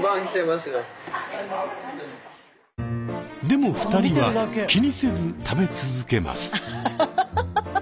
でも２人は気にせず食べ続けます。